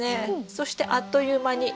そしてあっという間にまた。